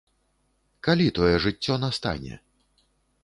Калі тое жыццё настане?